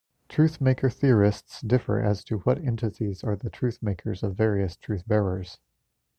Truthmaker theorists differ as to what entities are the truthmakers of various truthbearers.